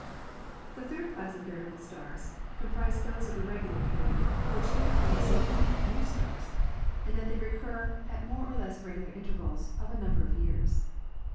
The third class of variable stars comprise those of ir regular period, which differ from the so called "new stars" VARIABLE AND BINARY STARS 283 in that they recur at more or less regular intervals of a' number of years.